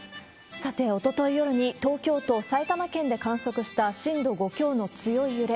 さて、おととい夜に、東京都、埼玉県で観測した震度５強の強い揺れ。